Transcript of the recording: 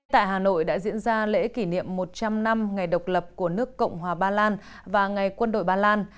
tại hà nội đã diễn ra lễ kỷ niệm một trăm linh năm ngày độc lập của nước cộng hòa ba lan và ngày quân đội ba lan